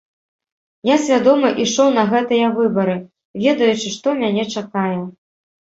Я свядома ішоў на гэтыя выбары, ведаючы, што мяне чакае.